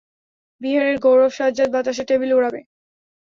বিহারের গৌরব সাজ্জাদ, বাতাসে টেবিল ওড়াবে।